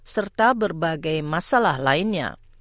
serta berbagai masalah lainnya